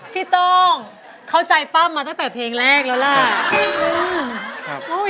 โต้งเข้าใจปั้มมาตั้งแต่เพลงแรกแล้วล่ะ